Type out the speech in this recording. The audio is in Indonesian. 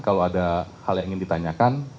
kalau ada hal yang ingin ditanyakan